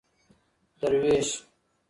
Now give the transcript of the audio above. دروېش